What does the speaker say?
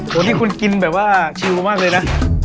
วันนี้คุณกินแบบว่าชิวมากเลยนะ